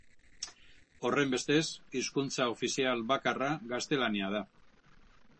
Horrenbestez, hizkuntza ofizial bakarra gaztelania da.